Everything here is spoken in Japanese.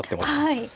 はい。